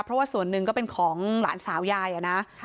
เพราะว่าส่วนหนึ่งก็เป็นของหลานสาวยายอะนะ